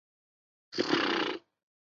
没有被告否认有罪。